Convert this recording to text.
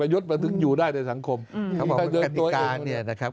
ยศมันถึงอยู่ได้ในสังคมเขาบอกว่ากติกาเนี่ยนะครับ